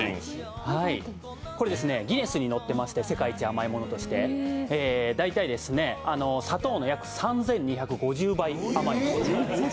これギネスに載っていまして、世界一甘いものとして。大体、砂糖の約３２５０倍甘いんです。